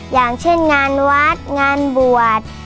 อย่างเช่นงานวัดงานบวช